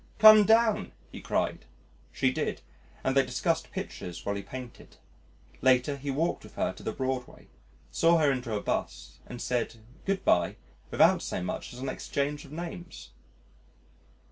"Come down," he cried. She did, and they discussed pictures while he painted. Later he walked with her to the Broadway, saw her into a 'bus and said "Good bye," without so much as an exchange of names.